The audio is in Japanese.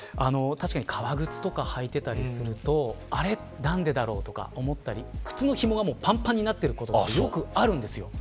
確かに革靴とか履いていたりすると何でだろうと思ったり靴のひもが、ぱんぱんになっていることがよくあるんです。